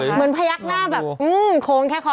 เหมือนพยักหน้าแบบอื้มคลงแค่คอ